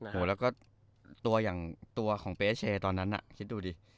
อ๋อโหแล้วก็ตัวของเป้เชียตอนนั้นน่ะคิดดูดิ